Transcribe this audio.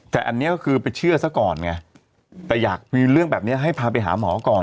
แต่อันนี้ก็คือไปเชื่อซะก่อนไงแต่อยากมีเรื่องแบบนี้ให้พาไปหาหมอก่อน